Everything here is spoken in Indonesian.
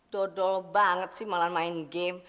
dodol banget sih malah main game